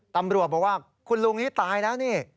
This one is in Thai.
ตำรวจบอกว่าคุณลุงนี้ตายแล้วนี่